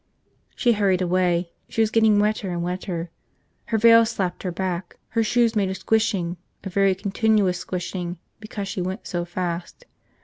She hurried away. She was getting wetter and wetter. Her veil slapped her back, her shoes made a squishing, a very continuous squishing because she went so fast.